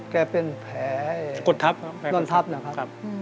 แกเป็นแผลนอนทัพนะครับ